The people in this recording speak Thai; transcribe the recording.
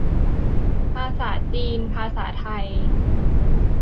ภาษาจีน ภาษาไทย